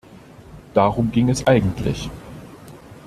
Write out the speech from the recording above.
Darum ging es eigentlich.